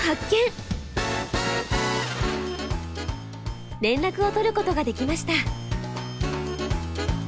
連絡を取ることができました。